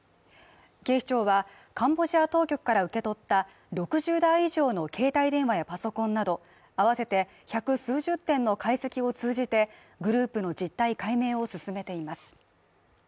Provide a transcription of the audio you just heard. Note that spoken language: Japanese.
警視庁はカンボジア当局から受け取った６０台以上の携帯電話やパソコンなど合わせて百数十点の解析を通じてグループの実態解明を進めています。